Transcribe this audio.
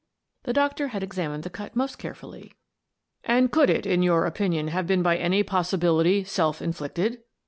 " The doctor had examined the cut most carefully. "And could it, in your opinion, have been by any possibility self inflicted?"